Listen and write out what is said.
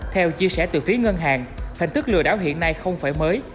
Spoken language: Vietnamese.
theo chia sẻ từ phía ngân hàng hình thức lừa đảo hiện nay không phải mới